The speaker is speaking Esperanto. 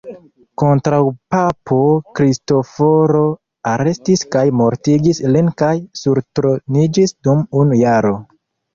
Kontraŭpapo Kristoforo arestis kaj mortigis lin kaj surtroniĝis dum unu jaro.